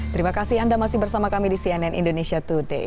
terima kasih anda masih bersama kami di cnn indonesia today